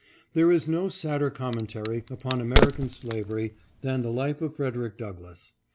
There is no sadder commentary upon American slavery than the life of Frederick Douglass.